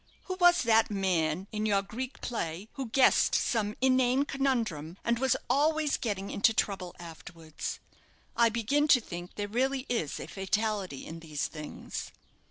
Who was that man, in your Greek play, who guessed some inane conundrum, and was always getting into trouble afterwards? I begin to think there really is a fatality in these things."